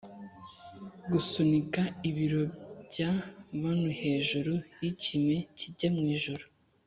gusunika ibiro bya manu hejuru yikime kijya mwijuru